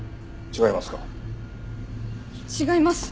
違います。